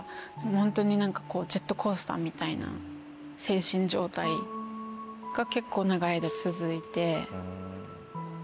ホントに何かこうジェットコースターみたいな精神状態が結構長い間続いて。